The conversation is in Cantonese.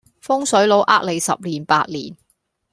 風水佬呃你十年八年